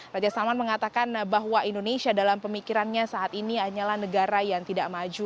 raja salman mengatakan bahwa indonesia dalam pemikirannya saat ini hanyalah negara yang tidak maju